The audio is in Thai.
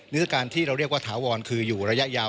ยุทธการที่เราเรียกว่าถาวรคืออยู่ระยะยาว